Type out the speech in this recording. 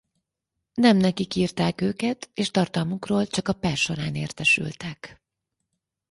Nem nekik írták őket és tartalmukról csak a per során értesültek.